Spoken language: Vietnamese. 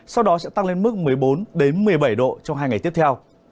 sau đó sẽ tăng lên mức một mươi bốn một mươi bảy độ trong hai ngày tiếp theo